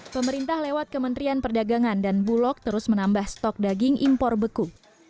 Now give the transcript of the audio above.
pemerintah lewat kementerian perdagangan dan bulog terus menambah stok daging impor beku